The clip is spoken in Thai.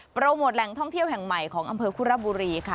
โปรโมทแหล่งท่องเที่ยวแห่งใหม่ของอำเภอคุระบุรีค่ะ